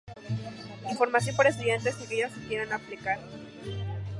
Información para estudiantes y aquellos que quieran aplicar.